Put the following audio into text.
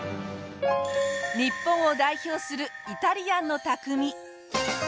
日本を代表するイタリアンの匠。